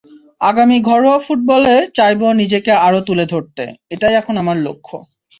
আগামী ঘরোয়া ফুটবলে চাইব নিজেকে আরও তুলে ধরতে, এটাই এখন আমার লক্ষ্য।